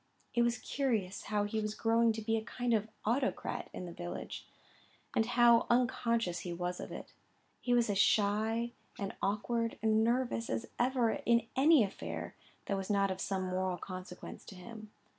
It was curious how he was growing to be a kind of autocrat in the village; and how unconscious he was of it. He was as shy and awkward and nervous as ever in any affair that was not of some moral consequence to him.